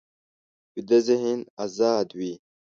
ویده ذهن ازاد وي